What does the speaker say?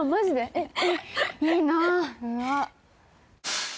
えっえっいいな